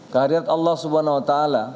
kehadirat allah swt